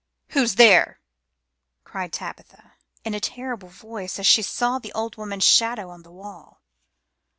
"Who's there?" cried Tabitha in a terrible voice as she saw the old woman's shadow on the wall.